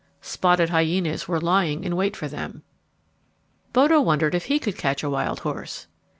Spotted hyenas were lying in wait for them. Bodo wondered if he could catch a wild horse.